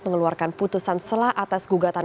mengeluarkan putusan selah atas gugatan